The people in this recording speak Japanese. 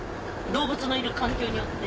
動物のいる環境によって。